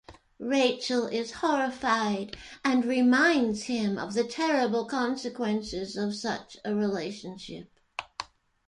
Rachel is horrified and reminds him of the terrible consequences of such a relationship.